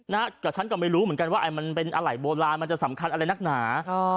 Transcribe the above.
แต่ฉันก็ไม่รู้เหมือนกันว่าเป็นบนลายมันก็คือสำคัญนักหนา